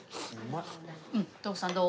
徳さんどう？